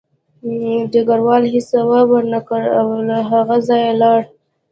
ډګروال هېڅ ځواب ورنکړ او له هغه ځایه لاړ